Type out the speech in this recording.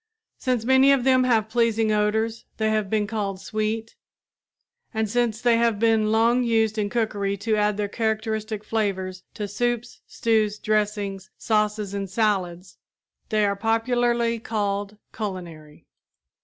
Since many of them have pleasing odors they have been called sweet, and since they have been long used in cookery to add their characteristic flavors to soups, stews, dressings, sauces and salads, they are popularly called culinary.